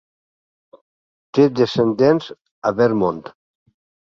Té descendents a Vermont.